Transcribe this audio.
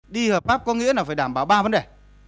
đi hợp pháp có nghĩa là phải đảm bảo ba vấn đề